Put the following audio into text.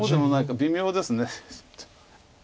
微妙です。